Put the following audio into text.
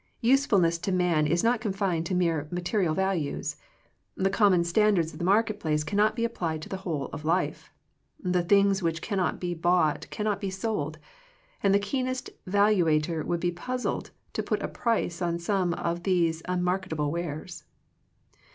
Usefulness to man is not confined to mere material values. The common standards of the market place cannot be applied to the whole of life. The things which cannot be bought can not be sold, and the keenest valuator would be puzzled to put a price on some of these unmarketable wares.